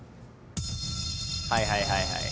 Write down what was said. はいはいはいはい。